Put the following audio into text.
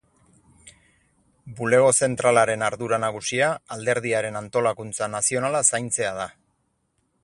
Bulego Zentralaren ardura nagusia alderdiaren antolakuntza nazionala zaintzea da.